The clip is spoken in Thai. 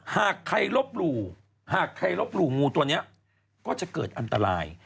หากใครลบหลู่หากใครลบหลู่งูตัวนี้ก็จะเกิดอันตราย